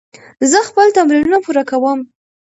زه خپل تمرینونه پوره کوم.